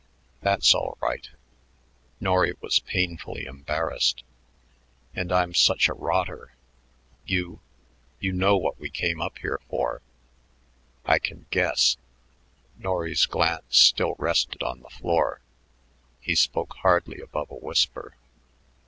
"That's all right." Norry was painfully embarrassed. "And I'm such a rotter. You you know what we came up here for?" "I can guess." Norry's glance still rested on the floor. He spoke hardly above a whisper.